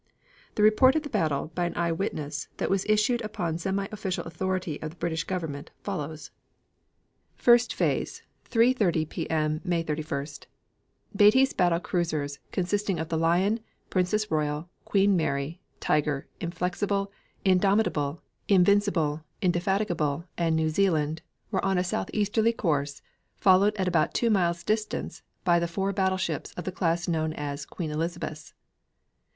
The report of the battle, by an eye witness, that was issued upon semiofficial authority of the British Government, follows: First Phase, 3.30 P.M. May 31st. Beatty's battle cruisers, consisting of the Lion, Princess Royal, Queen Mary, Tiger, Inflexible, Indomitable, Invincible, Indefatigable, and New Zealand, were on a southeasterly course, followed at about two miles distance by the four battleships of the class known as Queen Elizabeths.